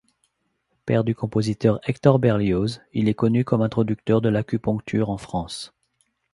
Père du compositeur Hector Berlioz, il est connu comme introducteur de l'acupunture en France.